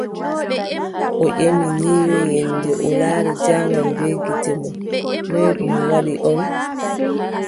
O ƴemi ni yo, yennde o laari jaman bee gite mon ,noy ɗum waɗi on ?